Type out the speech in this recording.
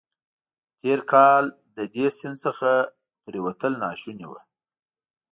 تېر کال له دې سیند څخه پورېوتل ناشوني وو.